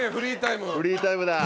フリータイムだ。